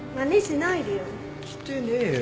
してねえよ